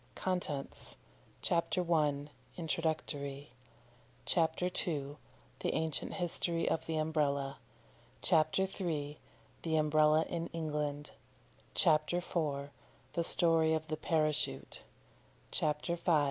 CONTENTS. CHAPTER I. INTRODUCTORY CHAPTER II. THE ANCIENT HISTORY OF THE UMBRELLA CHAPTER III. THE UMBRELLA IN ENGLAND CHAPTER IV. THE STORY OF THE PARACHUTE CHAPTER V.